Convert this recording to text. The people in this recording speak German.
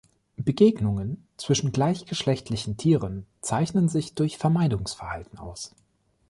Begegnungen zwischen gleichgeschlechtlichen Tieren zeichnen sich durch Vermeidungsverhalten aus.